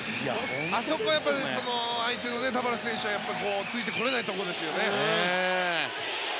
あそこは相手のタバレス選手はついてこれないところですよ。